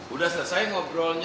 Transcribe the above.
udah selesai ngobrolnya